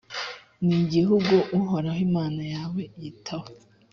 ni igihugu uhoraho imana yawe yitaho,